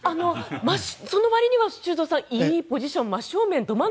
その割には修造さん、いいポジション真正面で。